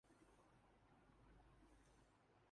اکثر حکمران طبقہ مفاہمت کرتا اور حصہ دے دیتا ہے۔